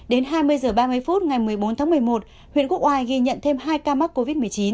đến hai mươi h ba mươi phút ngày một mươi bốn tháng một mươi một huyện quốc oai ghi nhận thêm hai ca mắc covid một mươi chín